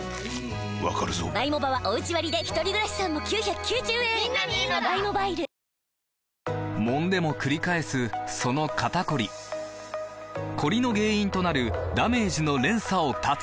わかるぞもんでもくり返すその肩こりコリの原因となるダメージの連鎖を断つ！